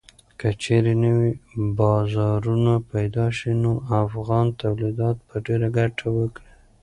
که چېرې نوي بازارونه پېدا شي نو افغان تولیدات به ډېره ګټه وکړي.